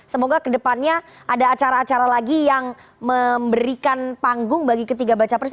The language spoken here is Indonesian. semoga kedepannya ada acara acara lagi yang memberikan panggung bagi ketiga baca pres